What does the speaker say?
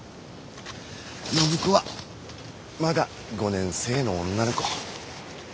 暢子はまだ５年生の女の子。